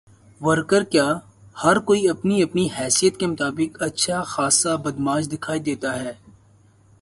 Worker کیا ہر کوئی اپنی اپنی حیثیت کے مطابق اچھا خاصا بدمعاش دکھائی دیتا تھا۔